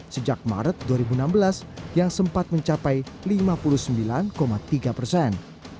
sejak maret dua ribu enam belas yang sempat mencapai lima puluh sembilan tiga persen